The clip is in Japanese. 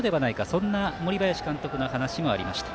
そんな森林監督の話もありました。